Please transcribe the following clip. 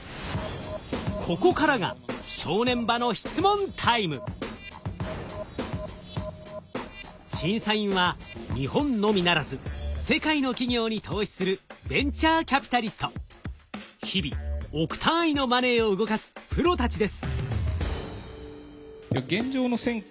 ここからが正念場の審査員は日本のみならず世界の企業に投資する日々億単位のマネーを動かすプロたちです。